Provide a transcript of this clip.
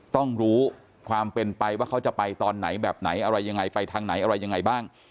ต้องรู้ความเป็นไปว่าเขาจะไปตอนไหนแบบไหนอะไรยังไงไปทางไหนอะไรยังไงบ้าง